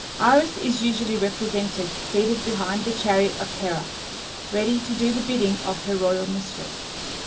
Iris is usually represented seated behind the chariot of Hera, ready to do the bidding of her royal mistress.